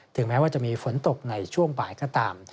แม้ว่าจะมีฝนตกในช่วงบ่ายก็ตาม